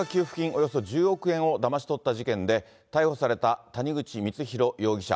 およそ１０億円をだまし取った事件で、逮捕された谷口光弘容疑者。